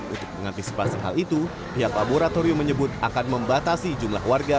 untuk mengantisipasi hal itu pihak laboratorium menyebut akan membatasi jumlah warga